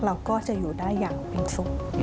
เราก็จะอยู่ได้อย่างเป็นสุข